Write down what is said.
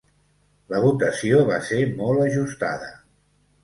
La votació va ser molt ajustada.